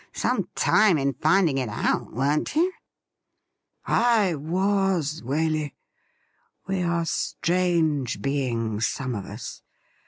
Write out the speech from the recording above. Some time in finding it out, weren't you .?'' I was, Waley ! We are strange beings — some of us